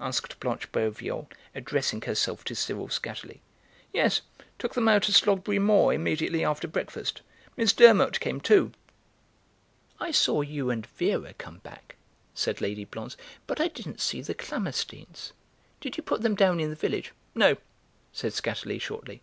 asked Blanche Boveal, addressing herself to Cyril Skatterly. "Yes, took them out to Slogberry Moor immediately after breakfast. Miss Durmot came too." "I saw you and Vera come back," said Lady Blonze, "but I didn't see the Klammersteins. Did you put them down in the village?" "No," said Skatterly shortly.